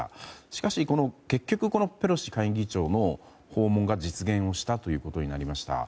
しかし、結局ペロシ下院議長の訪問が実現をしたということになりました。